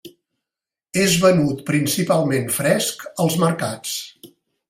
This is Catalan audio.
És venut principalment fresc als mercats.